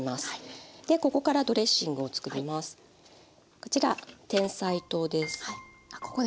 こちらてんさい糖です。